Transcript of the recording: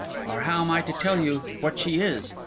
or how am I to tell you what she is?